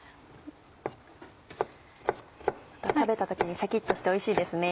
食べた時にシャキっとしておいしいですね。